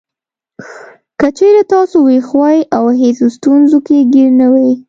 که چېرې تاسو وېښ وئ او هېڅ ستونزو کې ګېر نه وئ.